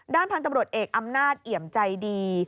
พันธุ์ตำรวจเอกอำนาจเอี่ยมใจดี